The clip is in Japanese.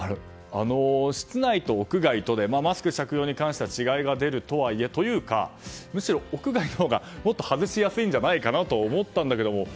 室内と屋外とでマスク着用に違いが出るとはいえというかむしろ、屋外のほうがもっと外しやすいんじゃないかと思ったんですが。